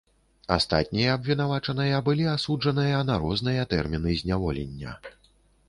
Астатнія абвінавачаныя былі асуджаныя на розныя тэрміны зняволення.